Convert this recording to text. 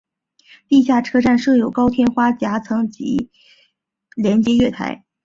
地下车站设有高天花及夹层连接月台。